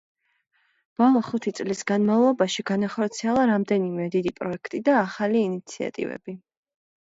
ბოლო ხუთი წლის განმავლობაში განახორციელა რამდენიმე დიდი პროექტი და ახალი ინიციატივები.